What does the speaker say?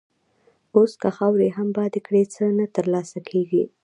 اوس که خاورې هم باد کړې، څه نه تر لاسه کېږي.